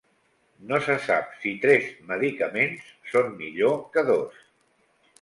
No se sap si tres medicaments són millor que dos.